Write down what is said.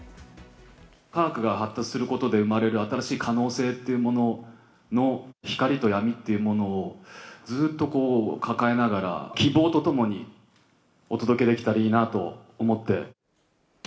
科学が発達することで生まれる新しい可能性っていうものの光と闇っていうものを、ずっとこう抱えながら、希望とともにお届けできたらいいなと思って。